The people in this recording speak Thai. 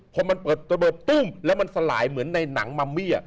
พอมันเปิดระบบตุ้มแล้วมันสลายเหมือนในหนังมัมมี่